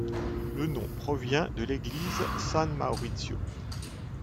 Le nom provient de l'Église San Maurizio.